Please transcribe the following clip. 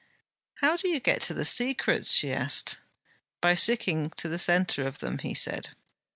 'How do you get to the secrets?' she asked. 'By sticking to the centre of them,' he said.